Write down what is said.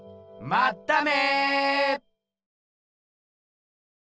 まっため！